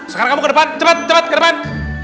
sekarang kamu ke depan celat cepat ke depan